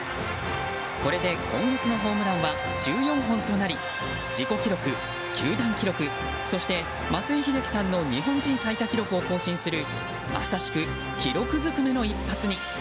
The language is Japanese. これで今月のホームランは１４本となり自己記録、球団記録そして松井秀喜さんの日本人最多記録を更新するまさしく記録ずくめの一発に。